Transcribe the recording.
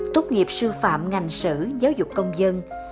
tốt nghiệp sư phạm ngành sử giáo dục công dân